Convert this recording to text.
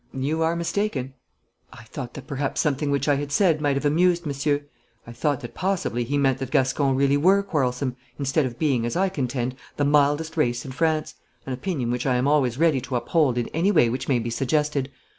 'You are mistaken.' 'I thought that perhaps something which I had said might have amused monsieur. I thought that possibly he meant that Gascons really were quarrelsome, instead of being, as I contend, the mildest race in France an opinion which I am always ready to uphold in any way which may be suggested.